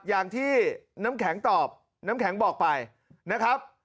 อย่างที่น้ำแข็งตอบน้ำแข็งบอกไปนะครับ